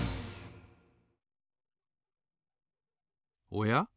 おや？